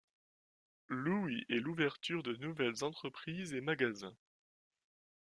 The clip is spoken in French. Louis et l'ouverture de nouvelles entreprises et magasins.